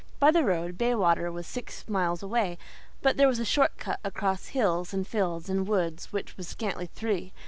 By the road, Baywater was six miles away, but there was a short cut across hills and fields and woods which was scantly three.